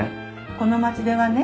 この町ではね